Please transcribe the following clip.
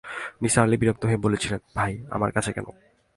নিসার আলি বিরক্ত হয়ে বলেছিলেন, ভাই, আমার কাছে কেন?